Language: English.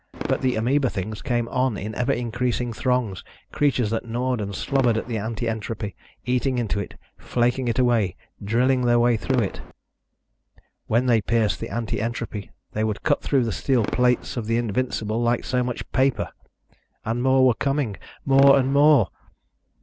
But the ameba things came on in ever increasing throngs, creatures that gnawed and slobbered at the anti entropy, eating into it, flaking it away, drilling their way through it. When they pierced the anti entropy, they would cut through the steel plates of the Invincible like so much paper! And more were coming. More and more!